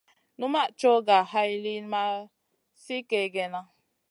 Numaʼ coyh ga hay liyn ma sli kègèna.